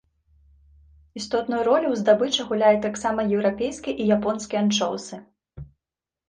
Істотную ролю ў здабычы гуляюць таксама еўрапейскі і японскі анчоўсы.